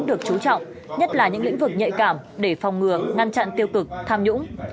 được chú trọng nhất là những lĩnh vực nhạy cảm để phòng ngừa ngăn chặn tiêu cực tham nhũng